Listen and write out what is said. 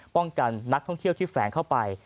กันนักท่องเที่ยวที่แฝงเข้าไป